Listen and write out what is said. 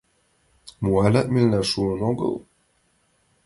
— Мо, алят мелна шуын огыл?